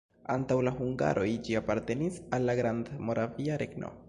Antaŭ la hungaroj ĝi apartenis al la Grandmoravia Regno.